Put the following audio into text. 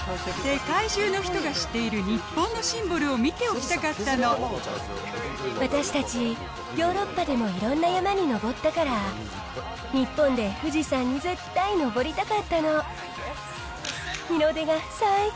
世界中の人が知っている日本のシンボルを見ておきたかったの私たち、ヨーロッパでもいろんな山に登ったから、日本で富士山に絶対登りたかったの。